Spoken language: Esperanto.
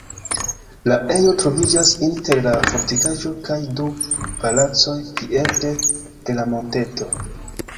La ejo troviĝas inter la fortikaĵo kaj du palacoj piede de la monteto.